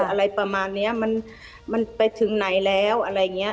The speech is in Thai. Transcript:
อะไรประมาณเนี้ยมันมันไปถึงไหนแล้วอะไรอย่างเงี้ย